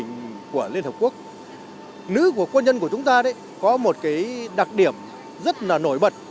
nữ quân nhân của chúng ta có một đặc điểm rất nổi bật